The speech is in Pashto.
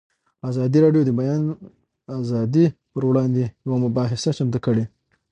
ازادي راډیو د د بیان آزادي پر وړاندې یوه مباحثه چمتو کړې.